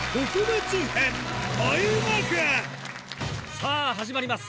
さぁ始まります